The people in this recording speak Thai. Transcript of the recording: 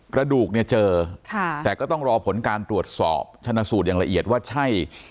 กระดูกเนี่ยเจอแต่ก็ต้องรอผลการตรวจสอบชนะสูตรอย่างละเอียดว่าใช่